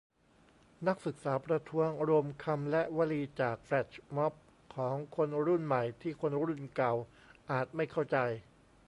นักศึกษาประท้วง : รวมคำและวลีจากแฟลชม็อบของคนรุ่นใหม่ที่คนรุ่นเก่าอาจไม่เข้าใจ